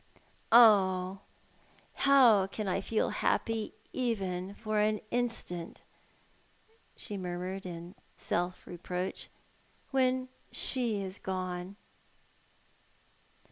"Oh, how can I feel happy, even for an instant," she murmured, in self reproach, "when she is gone?"